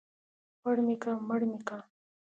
پړ مى که مړ مى که.